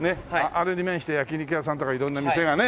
あれに面した焼き肉屋さんとか色んな店がね。